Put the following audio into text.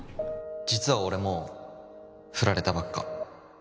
実は俺もフラれたばっか